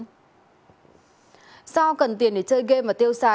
do cần tiền để chơi game và tiêu xài diêu đã mua một cái tài sản